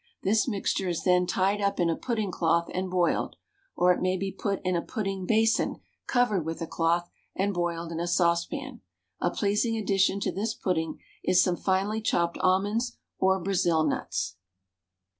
This mixture is then tied up in a pudding cloth and boiled, or it may be put in a pudding basin covered with a cloth, and boiled in a saucepan. A pleasing addition to this pudding is some finely chopped almonds, or Brazil nuts.